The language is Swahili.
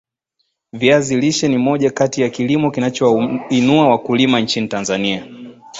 Viazi lishe ni moja kati ya kilimo kinachowainua wakulima nchini Tanzania